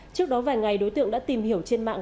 trước đó vài ngày đối tượng đã tìm hiểu trên mạng